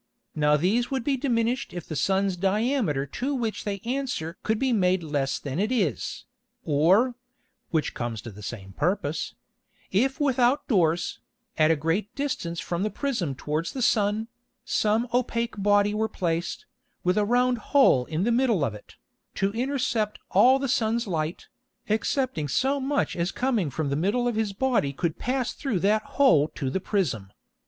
Now these would be diminished if the Sun's Diameter to which they answer could be made less than it is, or (which comes to the same Purpose) if without Doors, at a great distance from the Prism towards the Sun, some opake Body were placed, with a round hole in the middle of it, to intercept all the Sun's Light, excepting so much as coming from the middle of his Body could pass through that Hole to the Prism.